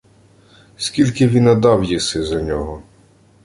— Скільки віна дав єси за нього?